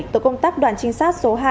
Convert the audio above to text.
tổ công tác đoàn trinh sát số hai